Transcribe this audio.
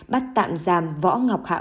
bắt tạm giam võ ngọc hà